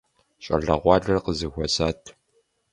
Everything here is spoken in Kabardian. ЩӀалэгъуалэр къызэхуэсат.